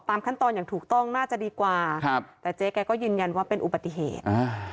ขั้นตอนอย่างถูกต้องน่าจะดีกว่าครับแต่เจ๊แกก็ยืนยันว่าเป็นอุบัติเหตุอ่า